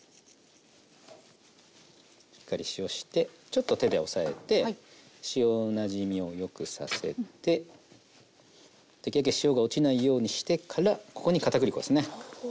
しっかり塩してちょっと手で押さえて塩なじみをよくさせてできるだけ塩が落ちないようにしてからここに片栗粉ですね。